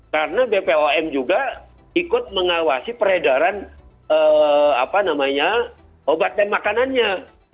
karena bpom juga ikut mengawasi peredaran obat dan makanannya